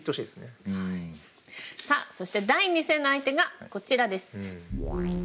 さあそして第２戦の相手がこちらです。